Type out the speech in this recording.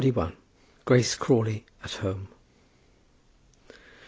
GRACE CRAWLEY AT HOME.